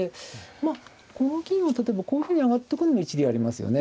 まあこの金を例えばこういうふうに上がっとくのも一理ありますよね。